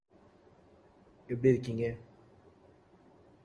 While coke can be formed naturally, the commonly used form is man-made.